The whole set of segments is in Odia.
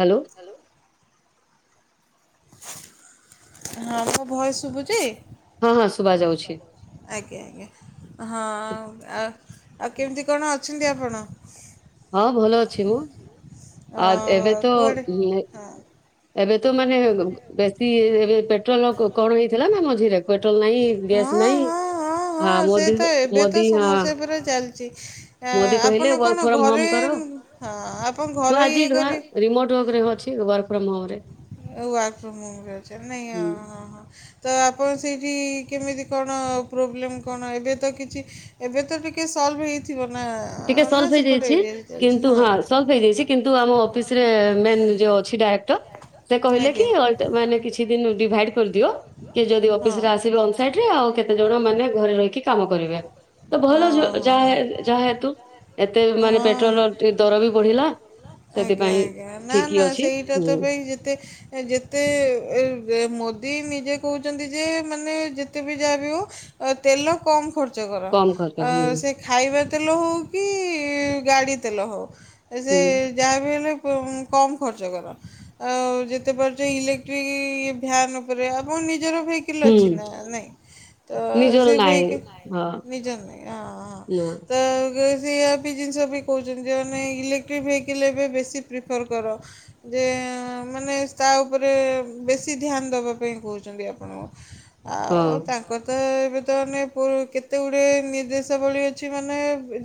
ହ୍ୟାଲୋ। ହଁ ମୋ ଭୟ ଶୁଭୁଛି। ହଁ ହଁ ଶୁଭାଯାଉଛି ଆଜ୍ଞା ଆଜ୍ଞା ହଁ ଆ ଆଉ କେମିତି କଣ ଅଛନ୍ତି ଆପଣ। ହଁ ଭଲ ଅଛି ମୁଁ ଆ ଏବେ ତ କୁଆଡ଼େ ହଁ ଏବେ ତ ମାନେ ବେଶୀ ପେଟ୍ରୋଲ କଣ ହେଇଥିଲା ନା ମଝିରେ ପେଟ୍ରୋଲ ନାହିଁ ଗ୍ୟାସ୍ ହଁ ନାହିଁ ହଁ ହଁ ଆ ହଁ ସେ ତ ଏବେ ତ ମୋଦି ଆ ସମସ୍ୟା ପୁରା ଚାଲିଛି ମୋଦି ଆପଣ କହିଲେ କଣ ଫ୍ର ହୋମ ଘରେ କର ହଁ ଆପଣ ଘର ମୁ ଆଜି ଇଏ କରି ରିମୋଟ ଉପରେ ଅଛି ୱରକ ପ୍ରମରେ ବାର୍କ ଫ୍ରୋମ ହମ ରଛ ନାଇଁ ହଁ ହଁ ତ ଆପଣ ସେଇଠି କେମିତି କଣ ପ୍ରୋବ୍ଲେମ୍ କଣ ଏବେ ତ କିଛି ଏବେ ତ ଟିକେ ସଲ୍ଭ ହେଇଥିବ ନା କେ ନା ସଲଭ ସେପଟ ହେଇଯାଇଛି ଏରିଆରେ ଚାଲିଛି କିନ୍ତୁ ହଁ ସଲଭ ହେଇଯାଇଛି କିନ୍ତୁ ଆମ ଅଫିସରେ ମେନ୍ ଯ ଅଛି ଡାଇକ୍ଟର ଆଜ୍ଞା। କହେ ମାନେ କିଛି ଦ ଡିଭାଇ କରିଦିଅ ଯଦି ଅିସରେ ହଁ ଆସିବୋଇରେ ଆଉ କେତେ ଜଣ ମାନେ ଘରେ ରହିକି କାମ କରିବେ ଭଲ ଓହୋ ଯାତୁ ଏତେ ମାନେ ହଁ ପେଟ୍ରୋଲର ଟ ଦର ବି ବଢିଲା ଆଜ୍ଞା ସେଥିପାଇଁ ଆଜ୍ଞା ନା ଠିକ ନା ଅଛି ସେଇଟା ହୁଁ ତ ପାଇଁ ଯେତେ ଯେତେ ମୋଦି ନିଜେ କହୁଛନ୍ତି ଯେ ମାନେ ଯେତେ ବି ଯାହା ବି ହଉ ତେଲ କମ୍ ଖର୍ଚ୍ଚ କର କମ ଖର୍ଚ୍ଚ ହୁଁ ସେ ଖାଇବା ତେଲ ହଉ କି ଗାଡ଼ି ତେଲ ହଉ ଏ ସେ ହୁଁ। ଯାହାବି ହେଲେ କମ୍ ଖର୍ଚ୍ଚ କର ଆଉ ଯେତେ ପାରୁଛ ଇଲେକ୍ଟ୍ରିକ ଇ ଭ୍ୟାନ ଉପରେ ଆ ନି ଭ ହୁଁ ଅଛି ନ ନିଜର ନାଇଁ ହଁ ନିଜର ହଁ ସେଆ ବି ଜିନିଷ ବି କହୁଛନ୍ତି ଯେ ମାନେ ଇଲେକ୍ଟ୍ରିକ୍ ଭେକଲ ଏବେ ବେଶୀ ପ୍ରିଫର୍ କର ଯେ ମାନ ତା ଉପରେ ବେଶ ନ ଦେବା ପାଇଁ କହୁଛନ୍ତି ଆପଣ ଆଉ ହଁ ତାଙ୍କର ତ ଏବେ ନ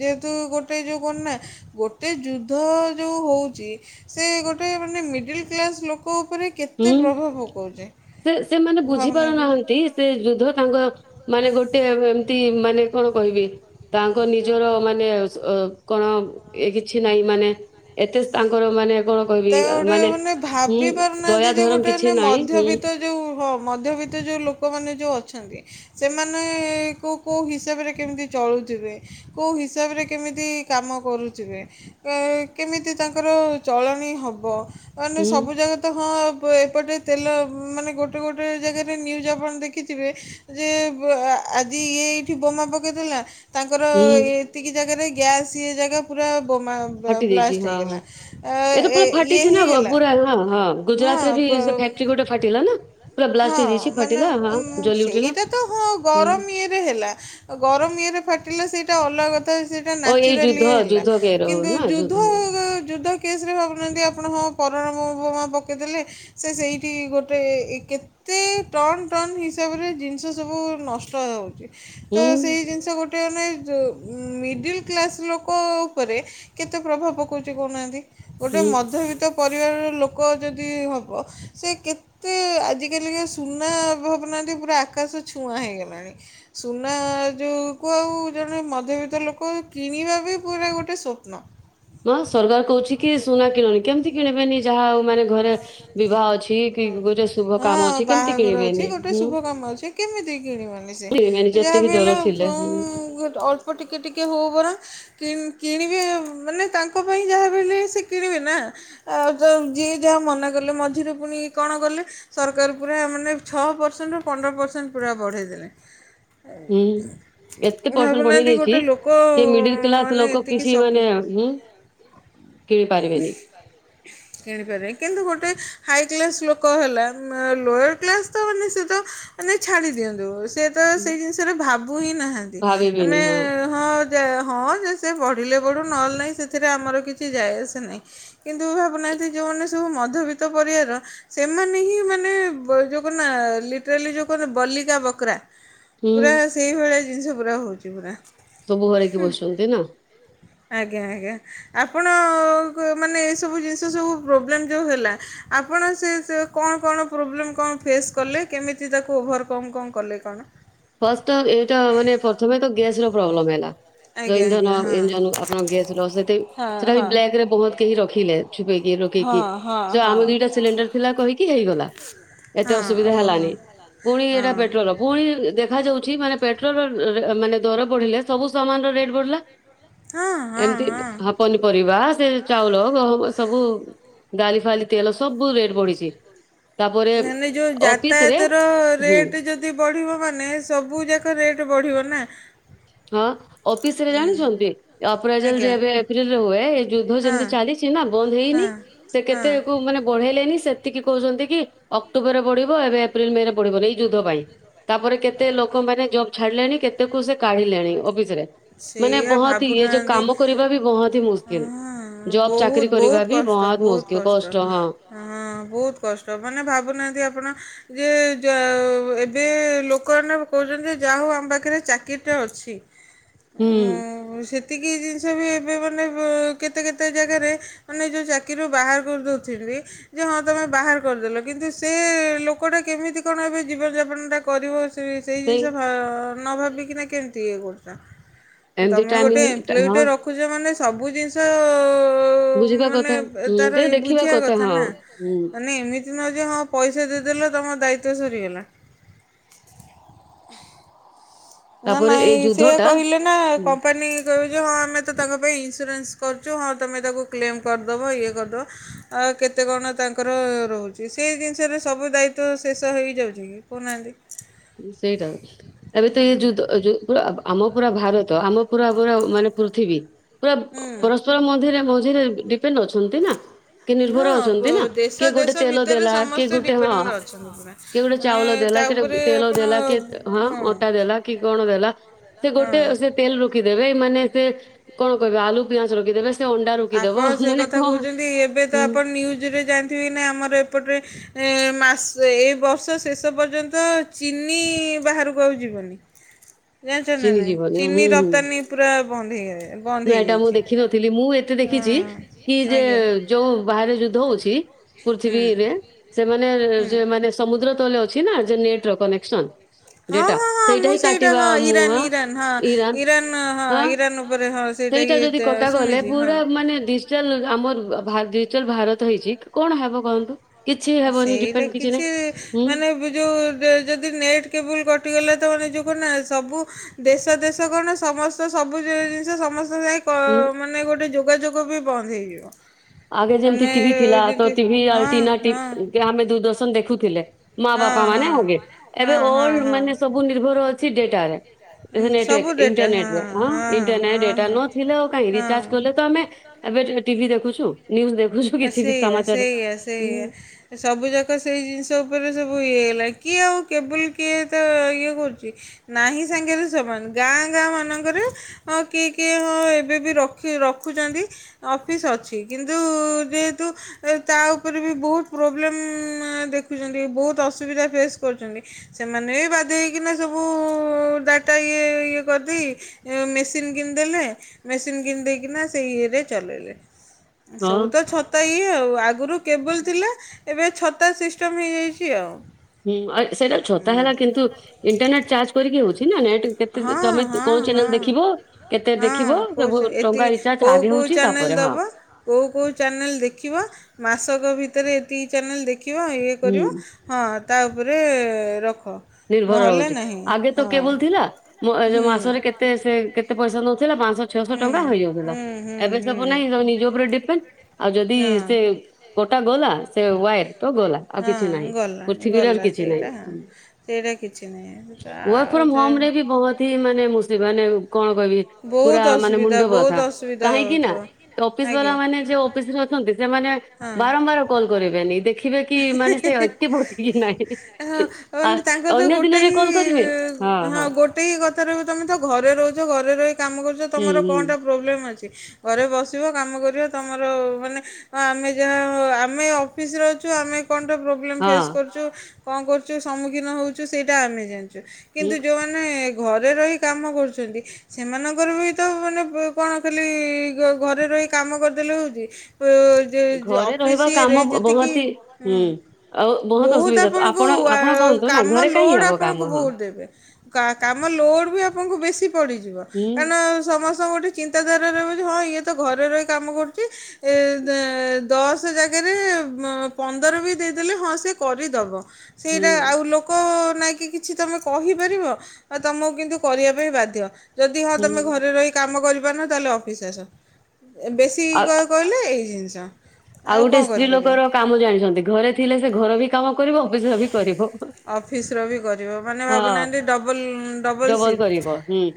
ଯେଟ ଗଟ ଯ ଗ ପଜନ ହୁଁ ସେ ସେମାନେ ବୁଝି ଭାବୁନାହାନ୍ତି। ପାରୁନାହାନ୍ତି ସେ ଯୁଦ୍ଧ ତାଙ୍କ ମାନେ ଗୋଟେ ଏମତି ମାନେ କଣ କହିବି ତାଙ୍କ ନିଜର ମାନେ କଣ ଏ କିଛି ନାହିଁ ମାନେ ଏତେ ତାଙ୍କର ମାନେ କଣ କହିବି ମାନେ ହୁଁ ଧରମ କିଛି ଗୋଟେେ ନାହିଁ ହୁଁ ମଧ୍ୟବିତ୍ତ ଯୋଉ ହଁ ମଧ୍ୟବିତତ ଯୋଉ ଲୋକମାନେ ମାନ ଯେଉଁ ଅଛନ୍ତି ସେମାନେଙ୍କୁ କେଉଁ ହିସାବରେ କେମିତି ଚଳୁଥିବେ କେଉଁ ହିସାବରେ କେମିତି କାମ କରୁଥିବେ କେମିତି ତାଙ୍କର ଚଳଣି ହେବ ମହ ହୁଁ ସବୁ ଜାଗା ତ ହଁ ଏପଟେ ତେଲ ମାନେ ଗୋଟେ ଗୋଟେ ଜାଗାରେ ନ୍ୟୁଜ୍ ଆପଣ ଦେଖିଥିବେ ଯେ ଆଜି ଇଏ ଏଇଠି ବୋମା ପକେଇ ଦେଲା ତାଙ୍କର ହୁଁ ଏତିକି ଜାଗାରେ ଗ୍ୟାସ ଜାଗା ପୁରା ବୋମା ଫାଟି ଯାଇଛି ବ୍ଲାଷ୍ଟ ହଁ ହଁ ହେଇଗଲା ଏ ତ ପୁରା ଇଏ ନା ହେଇଗଲା ପୁରା ହଁ ହଁ ଗୁଜୁରା ରେ ବି ସେ ହଁ ଫକ୍ଟି ଗୋଟେ ଫାଟିଲା ନା ପୁରା ବ୍ଲାଷ୍ଟ ହଁ ହେଇଯାଇଛି ମାନେ ଫାଟିଲା ହଁ ଜଲି ଉଠିଲା ସେଇଟା ତ ହଁ ହୁଁ ଗରମ ଇଏରେ ହେଲା ଗରମ ଇଏରେ ଫାଟିଲା ସେଇା ସେ ଅଲଗ ଅ ଓ ଏଇ ଯୁଦ୍ଧ ସେଟାଚୁରାଲି ହେ ଯୁଦ୍ଧ କେର କିନ୍ତୁ ନା ଯୁଦ୍ଧ ଯ କେସ୍ରେ ଭାବୁନାହାନ୍ତି ଆପଣ ହଁ ପରମାଣ ବୋମା ପକାଇଦେଲେ ସେ ସେଇଠି ଗୋଟେ କେ ଏତେ ଟନ ଟନ ହିସାବରେ ଜିନିଷ ସବୁ ନଷ୍ଟ ଯାଉଛି। ହୁଁ ତ ସେଇ ଜିନିଷ ଗୋ ଗୋଟେ ମାନେ ମିଡ଼ିଲ୍ କ୍ଲାସ୍ ଲୋକ ଉପରେ କେତେ ପ୍ରଭାବ ପକାଉଛି କହୁନାହାନ୍ତି। ଗୋଟେ ହୁଁ ମଧ୍ୟବିତ୍ତ ପ ବେଳେ ବେଳେ ଲୋକ ଯଦି ହବ ସେ କେତେ ଆଜି ଆଜିକାଲିକା ସୁନା ଭାବୁନାହାନ୍ତି ପୁରା ଆକାଶ ଛୁଆଁ ହେଇଗଲାଣି ସୁନା ଯେଉଁକୁ ଆଉ ଜଣେ ମଧ୍ୟବିତ୍ତ ଲୋକ କିଣିବା ବି ପୁରା ଗୋଟେ ସ୍ୱପ୍ନ। ହ ସରକାର କହୁଛି କି ସୁନା କିଣନି କେମିତି କିଣିବେନି ଯାହା ହଉ ମାନେ ଘରେ ବିବାହ ଅଛି କି ଗୋଟେ ଶୁଭ ହଁ କାମ ଅଛି କେମିତି ବାହାଘର ଅଛି କିଣିବେନି ଗୋଟେ ହୁଁ। ଶୁଭ କାମ ଅଛି କେମିତି? କିଣିବନି ସେ କିଣିବେନି ଯେତେ ଯାହା ବି ବିି ହେଲେ ଦର ଅଳ୍ପ ଥିଲେ ହୁଁ ହଉ ଅଳ୍ପ ଟିକେ ଟିକେ ହଉ ବରଂ କିଣିବେ ମାନେ ତାଙ୍କ ପାଇଁ ଯାହା ବି ହେଲେ ସେ କିଣିବେ ନା ଆଉ ଯଉ ଯିଏ ମନାକଲେ ମଝିରେ ପୁଣି କଣ କଲେ ସରକାର ପୁରା ମାନେ ଛଅ ପରସେଣ୍ଟ ପନ୍ଦର ପରସେଣ୍ଟ ପୁରା ବଢ଼େଇ ଦେଲେ। ହୁଁ ଏତେ ପରସେଣ୍ଟ ବଢେଇ ଭାବୁନାହାନ୍ତି ଦେଇଛି ଗୋଟେ ଲୋକ କି ମିଡିଲ କ୍ଲାସ ମାନେ ଲୋକ ଏତିକି କିଛି ସକି ମାନେ ହଁ କିଣି ପାରିବେନି। କିଣିପାରେ ଗୋଟେ ହାଇ କ୍ଲାସ ଲୋକ ହେଲା ଲୋୟର କ୍ଲାସ ତ ମାନେ ସେ ତ ମାନେ ଛାଡି ଦିଅନ୍ତୁ। ସେ ତ ହୁଁ, ସେଇ ଜିନିଷରେ ଭାବୁ ହିଁ ନାହାନ୍ତି ଆମେ ହଁ ସେ ସେ ବଢ଼ିଲେ ବଢ଼ୁ ନହେଲେ ନାହିଁ ସେଥିରେ ଆମର କିଛି ଯାଏ ଆସେ ନାହିଁ କିନ୍ତୁ ଭାବୁନାହାଁନ୍ତି ଯେଉଁମାନେ ଯେବଁ ମଧବିତ୍ତ ପରିବାର ସେମାନେ ହିଁ ମାନେ ଯେଉଁ କନା ଲିଟରାଲି ଯେଉଁ କହନା ବଲିକା ବକରା। ହୁଁ ପୁରା ସେଇ ଭଳିଆ। ଜିନିଷ ପୁରା ହେଉଛି ପୁରା। ସବୁବେଳେ ଏଇଠି ବସୁଛନ୍ତି ନା। ଆଜ୍ଞା ଆଜ୍ଞା ଆପଣ ମାନେ ଏସବୁ ଜିନିଷ ସବୁ ପ୍ରୋବ୍ଲେମ୍ ଉ ହେଲା ଆପଣ ସେ କଣ କଣ ପ୍ରୋବ୍ଲେମ କଣ ଫେସ୍ କଲେ କେମିତି ତାକୁ ଓଭର କଣ କଣ କଲେ କଣ ଫାଷ୍ଟ ଏଇଟା ମାନେ ପ୍ରଥମେ ତ ଗ୍ୟାସ ର ପ୍ରୋବ୍ଲେମ ହେଲା। ଯଉ ଆଜ୍ଞା ଇନ୍ଧନ ଆଜ୍ଞା ହଁ। ଇଜନ ଆପଣଙ୍କ ଗ୍ୟାସ ର ସେ ହଁ ସେଟା ବି ହଁ ବ୍ୟାଗ୍ ବହୁତ କେହି ରଖିଲେ। ହଁ ଲୋକେଇକି ହଁ ଜ ଆମ ହଁ। ଦିଟା ସିଲିଣ୍ଡର ଥିଲା କହିକି କି ହେଇଗଲା ଏତେ ହଁ ଅସୁବିଧା ଓହୋ ହେଲାନି ପୁଣି ହଁ ଏଟା ପେଟ୍ରୋଲ ପୁଣି ଉଛି ମାନେ ପେଟ୍ରୋଲମାନେ ଦର ବଢିଲେ ସବୁ ସମାନ ର ରେଟ ବଢିଲା। ହଁ ହଁ ଏମିତି ହଁ। ହ ପନିପରିବା ସେ ଚାଉଳ ଗହମ ସବୁ। ଡାଲି ଫାଲି ତେଲ ସବୁ ରେଟ୍ ବଢିଛି। [inaudible] ମାନେ ଯୋଉ ଅଫିସରେ ଯାତାଡୟତର ହୁଁ ରେଟ ଯଦି ବଢିବ ମାନେ ସବୁ ଯାକ ରେଟ୍ ବଢ଼ିବ ନା, ହଁ ଅଫିସରେ ଜାଣିଛନ୍ତି ଅପ୍ରଜଲ ଯେ ଆଜ୍ଞା ଏବେ ଏପ୍ରିଲରେ ହୁଏ ଏ ହୁଏ ସବୁ ସବୁ ସାରିଛୁ ଆମର ହେଇନି ଏବେ କେତେ ମାନେ ବଢ଼େଇଲେଣି ସେତିକି କହୁଛନ୍ତି ଯୁଦ୍ଧ ଯେମିତି ଚାଲିଛି ନା ବନ୍ଦ ହେଇନି ସେ କେତେକୁ ମାନେ ବଢେଇଲେନି ସେ ତିକି କହୁଛନ୍ତି କି କି ଅକ୍ଟୋବରରେ ବଢିବ ଏବେ ଏପ୍ରିଲ ମେ ରେ ବଢିବ ନେଇ ଯୁଦ୍ଧ ପାଇଁ ତାପରେ କେତେ ଲୋକମାନେ ଜବ୍ ଛାଡିଲେଣି କେତେ? କୁ ସେ କାଢ଼ିଲାଣି ଅଫିସ ରେ ସେଇଆ ଭାବୁନାହାନ୍ତି କରିବା ବି ବହୁତ ହି ହ ମୁସ୍କିଲ ଜବ ଚାକିରୀ ବହୁତ କରିବା ବହୁତ ବି କଷ୍ଟ, ବହୁତ ମୁସ୍କିଲ କଷ୍ଟ, ହଁ ହ ବହୁତ କଷ୍ଟ ମାନେ ଭାବୁନାହାନ୍ତି ଆପଣ ଯେ ଜ-ଅ-ଅ ଏବେ ଲୋକମାନେ କହୁଛନ୍ତି ଯାହା ହଉ ଆମ ପାଖରେ ଚାକିରିଟା ଅଛି। ହୁଁ ଉଁ-ଉ-ଉ ସେତିକି ଜିନିଷ ସେ ବି ଏବେ ମାନେ ଏ କେତେ କେତେ ଜାଗାରେ ମାନେ ଯେଉଁ ଚାକିରିରୁ ବାହାର କରିଦେଉଥିଲି। ଯେ ହଁ ତୁମେ ବାହାର କରିଦେଲ କିନ୍ତୁ ସେ ଏ-ଏ ଲୋକଟା କେମିତି କଣ ଏବେ ଜୀବନ ଯାପନଟା କରିବ ତ ସେଇ ଜିନିଷ ଭ ଅ-ଅ-ଅ ନ ଭାବିକିନା କେମିତି ଇଏ କରୁଚ। ଏମତି ତମେ ଗୋଟେ ଟାଇମିଂ ଏମପ୍ଲଇ ହଁ ଟେ ରଖୁଛ ମାନେ ସବୁ ଜିନିଷ ଅ-ଅ-ଅ ବୁଝିବା କଥା ହୁଁ ତ ଦେଖିବା କଥା ହଁ ହୁଁ। ନ ଯେ ହଁ ପଇସା ଦେଇଦେଲ ତମ ଦାୟିତ୍ୱ ସରିଗଲା। ନା ତାପରେ ନାଇଁ ଏଇ ସେ ଯୁଦ୍ଧ ଟା କହିଲେ ନା ହୁଁ କମ୍ପାନୀ ଗ ଯେ ହଁ ଆମେ ତ ତାଙ୍କ ପାଇଁ ଇନ୍ସୁରାନ୍ସ କରୁଛୁ ହଁ ତୁମେ ତାକୁ କ୍ଲେମ୍ କରିଦେବ, ଇଏ କରିଦେବ। ଆଉ କେତେ କଣ ତାଙ୍କର ରହୁଛି। ସେଇ ଜିନିଷରେ ସବୁ ଦାୟିତ୍ୱ ଶେଷ ହେଇଯାଉଛି କି କହୁନାହାନ୍ତି ହ ସେଇଟା ଏବେ ତ ଇଏ ଯୁଦ୍ଧ ଅ ଯଉ ପୁରା ଆ ଆମ ପୁରା ଭାରତ ଆମ ପୁରା ପୁରା ମାନେ ପୃଥିବୀ ପୁରା ଅ ହୁଁ ପରସ୍ପର ମଧ୍ୟରେ ବହୁତ ଯେ ଡିପେନ ଅଛନ୍ତି ନା। କି ହଁ ନିର୍ଭର ଅଛନ୍ତି ପ ନା ଦେଶ କିଏ ଗୋଟେ ଦେଶ ତେଲ ଭିତରେ ଦେଲା କିଏ ସମସ୍ତେ ଗୋଟେ ହଁ ଡିପେଣ୍ଡେଟ ଅଛନ୍ତି। କିଏ ଗୋଟେ ମାନେ ଚାଉଳ ଦେଲା ତା କିଏ ଉପରେ ତେଲ ଆପଣ ଦେଲା କି, ହଁ ଅଟା ଦେଲା କି କଣ ଦେଲା। ସେ ଗୋଟେ ହଁ ସେ ତେଲ ରୋକିଦେବେ ଏମାନେ ସେ କଣ କହିବ ଆଲୁ ପିଆଜ ରଖିଦେବେ ସେ ଅଣ୍ଡା ରୋକିଦବ ଆପଣ ସେ ମାନେ କଥା କଣ କହୁଛନ୍ତି। ଏବେ ତ ହୁଁ ଆପଣ ନ୍ୟୁଜରେ ଜାଣିଥିବେ ନା ଆମର ଏପଟରେ ଏଁ ମା ଏ ବର୍ଷ ଶେଷ ପର୍ଯ୍ୟନ୍ତ ଚିନି ଇ-ଇ ବାହାରକୁ ଆଉ ଯିବନି। ଜାଣିଛନ୍ତି ନା ଚିନି ନାଇଁ। ଯିବନି ଚିନି ରପ୍ତାନୀ ପୁରା ବନ୍ଦ ହେଇ ଗଲେ ନାଁ ଏଇଟା ମୁଁ ଦେଖିନଥିଲି ମୁଁ ଏ ତି ହଁ ଦେଖିଛି କି ଯେ ଏ ଆଜ୍ଞା -ଏ ଯୋଉ ବାହାରେ ଯୁଦ୍ଧ ହଉଛି ହୁଁ। ପୃଥିବୀରେ। ସେମାନେ ଏ-ଏ ସେମାନେ ସମୁଦ୍ର ତଲେ ଅଛି ନା ଦ ନେଟ୍ ର କନେକ୍ସସନ୍ ହଁ ହଁ ହଁ ମୁଁ ସେଇଟା ହଁ ହଁ ଇରାନ ଇରାନ ହଁ ଇରାନ ହଁ ଇରାନ ଉପରେ ହଁ ସେଇଟା ଯଦି କଟା ଗଲେ ଶୁଣିଛି ପୁରା ହଁ। ମାନେ ଡିଜିଟାଲ ଆମର ଭାର ଜିଟାଲ ଭାରତ ହେଇଛି କଣ ହବ କହନ୍ତୁ। କିଛି ହେବନି ସେଇଟା ଡିପେଣ୍ଡ କିଛି ନାହିଁ ହୁଁ ମାନେ ଏବେ ଯୋଉ ଦେ ଯଦି ନେଟ୍ କେବୁଲ କଟିଗଲା ତ ମାନେ ଜଉ କରୁନା ସବୁ ଦେଶ ଦେଶ କଣ ସମସ୍ତ ସବୁ ଜିଇ ଜିନିଷ ସମସ୍ତ ହୁଁ [unintelligible] ମାନେ ଗୋଟେ ଯୋଗାଯୋଗ ବ ବି ବନ୍ଦ ହେଇଯିବ। ଆଗେ ଯେମତି ମାନେ ଟିଭି ଥିଲା ତ ଯେମିତି ହଁ ଟିଭିଆଟିନା ହଁ। ଆମେ ଦୂରଦର୍ଶନ ଦେଖୁଛୁ ଥିଲେ। ମା ହଁ ବାପା ହଁ ମାନେ ଆଗେ ଏବେ ହଁ ହଁ ଅର୍ ହଁ ମାନେ ସବୁ ନିର୍ଭର ଅଛି ସିଟେଇଟାରେ ଇଟରନେଟ ସବୁ ଡେଟା ହଁ ହଁ ଇଣ୍ଟରନେଟ ହଁ ଡେଟା ନୋ ହଁ। ଥିଲେ ଆଉ କହିଁ ରିଚାର୍ଜ ହଁ। କଲେ ତ ଆମେ ଏ ଟିଭି ଦେଖ କୁଛୁ ଆ ସେଇଆ ସେଇଆ ହୁଁ ସେଇଆ ସବୁ ଯାକ ସେଇ ଜିନିଷ ଉପରେ ସବୁ ଇଏ ହେଲା କିଏ ଆଉ କେବୁଲ୍ କିଏ ତ ଇଏ କରୁଛି। ନାହିଁ ସାଙ୍ଗରେ ସମାନ। ଗାଁ ଗାଁ ମାନଙ୍କରେ ହଁ କିଏ କିଏ ହଁ ଏବେ ବି ରଖି ରଖୁଛନ୍ତି ଅଫିସ୍ ଅଛି। କିନ୍ତୁ ଯେହେତୁ ତା ଉପରେ ବି ବହୁତ ପ୍ରୋବ୍ଲେମ୍ ଦେଖୁଛନ୍ତି ବହୁତ ଅସୁବିଧା ଫେସ୍ କରୁଛନ୍ତି। ସେମାନେ ବି ବାଧ ହେକିନା ସବୁ ଡାଟା ଇଏ ଇଏ କରିଦେଇ ମେସିନ କିଣିଦେଲେ ମେସିନ କିଣିଦକିନା ସେଇ ଇଏରେ ଚଲେଇଲେ। ହଁ ସଉ ତ ଛତା ଇଏ ଆଉ ଆଗରୁ କେବୁଲ ଥିଲା ଏବେ ଛତା ସିଷ୍ଟମ ହେଇଯାଇଛି ଆଉ। ହୁଁ ସେଇଟା ଛତା ହେଲା କିନ୍ତୁ ଇଣ୍ଟରନେଟ୍ ଚାର୍ଜ କରିକି ହଉଛି ନା ନେଟ୍ କେତେ ହଁ ତମେ ହଁ କୋଉ ହଁ ଚ୍ୟାନେଲ ଦେଖିବ କେତେ ହଁ ଦେଖିବ କହୁଛ ସବୁ ଏତି ଟଙ୍କା ରିଚାର୍ଜ କୋଉ ଆଗେ ହଉଛି ତାପରେ ହଁ। ଚ୍ୟାନେଲ ଦେଖିବ। ମାସକ ଭିତରେ ଏତିକି ଚ୍ୟାନେଲ ଦେଖ ଦେଖିବା ଇଏ କରିବ ହୁଁ ହଁ। ତା ଉପରେ ରଖ ନିର୍ଭର ନହେଲେ ରହୁଛି। ନାହିଁ ଆଗେ ତ ହଁ କେବଲ ଥିଲା ହୁଁ। ମାସରେ କେତେ କେତେ ପଇସା ନଉ ପାଞ୍ଚଶହ ଛଅଶହ ହୁଁ ଟଙ୍କା ହେଇଯାଉଥିଲା। ହୁଁ ହୁଁ ଏବେ ସବୁ ହୁଁ। ନାହିଁ ସ ନିଜ ଉପରେ ଡିପେଣ୍ଡ ଆଉ ଯଦି ହଁ। ସେ କୋଟା ଗଲା ସେ ୱ ତ ଗଲା ଆଉ କିଛି ହଁ ନାହିଁ। ଗଲାଣି ପୃଥିବୀରେ ଗଲା କିଛି ସେଇଟା ନାହିଁ। ସେଇଟା କିଛି ନାହିଁ ଆଉ ୱର୍କଫ୍ରମ ସେ ହମରେ ବି ବହୁତ ହି ମାନେ ମୁ ସେମାନେ- କଣ କହିବି ପୁରା ବହୁତ ମାନେ ଅସୁବିଧା ମୁଣ୍ଡ ବହୁତ ବଥା। ଅସୁବିଧା କାହିଁକି ନା ହେଉଥିବ ଅଫିସ ବାଲା ଆଜ୍ଞା ମାନେ ଯ ଅଫିସରେ ଅଛନ୍ତି ସେମାନେ ହଁ ବାରମ୍ବାର କଲ କରିବେନି ଦେଖିବେ କି ମାନେ ସେ ଏତେ ବସିଛିକି ନାହିଁ। ହଁ ମାନେ ତାଙ୍କର ତ ଗୋଟେ ହି ହଁ ଗୋଟେ ହି କଥା ରହୁ ତମେ ତ ଘରେ ରହୁଛ [inaudible] କାମ କରୁଛ ହୁଁ ତମର ହୁଁ କଣଟା ପ୍ରୋବ୍ଲେମ ଅଛି। ଘରେ ବସିବ କାମ କରିବ। ତମର ମାନେ ଆମେ ଯାହା ଆମେ ଅଫିସରେ ଅଛୁ ଆମେ କଣ ଟ ପ୍ରୋବ୍ଲେମ ଫେ ହଁ କରୁଛୁ କଣ କରୁଛୁ ସମ୍ମୁଖୀନ ହଉଛୁ ସେଇଟା ଆମେ ଜାଣୁ। ହୁଁ କିନ୍ତୁ ଯୋଉମାନେ ଘରେ ରହି କାମ କରୁଛନ୍ତି ସେମାନଙ୍କର ବି ତ ମାନେ କଣ ଖାଲି ଘରେ ରହି କାମ କରିଦେଲେ ହଉଛି ଘରେ ଅଫିସ୍ ରହିବା କାମ ଇଏରେ ଯେତିକି ବହୁତ ହି ହୁଁ ଆଉ ବହୁତ ଅସୁବିଧା ତ ଆପଣଙ୍କୁ ଆପଣ ଆପଣ କହନ୍ତୁ ନା କାମ ଘରେ କାହିଁ ଲୋଡ଼୍ ହବ କାମ ଆପଣଙ୍କୁ ହଁ ବହୁତ ଦେବେ କାମ ଲୋଡ଼୍ ବି ଆ ଆପଣଙ୍କୁ ବେଶୀ ପଡ଼ିଛି ହୁଁ କାରଣ ସମସ୍ତ ଙ୍କର ଗୋଟେ ଚିନ୍ତାଧାରା ରହହୁ ଯେ ହଁ ଇଏ ତ ଘରେ ରହି କାମ କରୁଛି। ଦଶ ଜାଗାରେ ପନ୍ଦର ବି ଦେଇଦେଲେ ହଁ ସେ କରିଦେବ। ହୁଁ ସେଇଟା ଆଉ ଲୋକ ନହିଁ କିି କିଛି ତମେ କହିପାରିବ ଆଉ ତମକୁ କିନ୍ତୁ କରିବା ପାଇଁ ବାଧ୍ୟ। ଯଦି ହଁ ହୁଁ ତମେ ଘରେ ରହି କାମ କରିବ ତାହେଲେ ଅଫିସ ଆସ। ବେଶୀ ଆଉ କହିଲେ ଏଇ ଜିନିଷ। ଚା ଆଉ ଗୋଟେ ସ୍ତ୍ରୀ ଲୋକର କାମ ଜାଣିଛନ୍ତି। ଘରେ ଥିଲେ ସେ ଘର ବି କାମ କରିବ ଅଫିସ୍ ରେ ବି କରିବ। ଅଫିସ ର ବି ଗ ହଁ ଡବଲ କରିବ।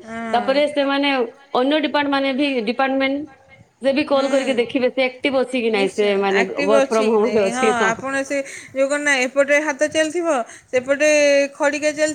ହଁ। ତାପରେ ସେମାନେ ଅନ୍ୟ ଡିପାର୍ଟ ଡିପାର୍ଟମେଣ୍ଟ ସେ ବି କଲ୍ ହୁଁ କରିକି ଦେଖିବେ ସେ ଆକ୍ଟିଭ ଅଛି କି ନାଇଁ ସେ ନି୍ଚୟ ମାନେ ଆକ୍ଟିଭ ୱାର୍କ ଅଛି ଫ୍ରମ କି ହୋମ ରେ ନାଇଁ ହଁ ଅଛି ଆପଣ ସେ ଯୋଉ ନା ଏପଟେ ହାତ ଚାଲିଥିବ ସେପଟେ ଖଡିିକା ଚାଲି